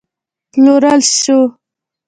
پلورل شو